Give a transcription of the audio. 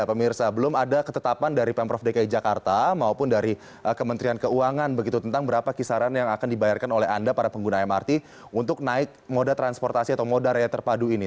pemirsa belum ada ketetapan dari pemprov dki jakarta maupun dari kementerian keuangan begitu tentang berapa kisaran yang akan dibayarkan oleh anda para pengguna mrt untuk naik moda transportasi atau moda raya terpadu ini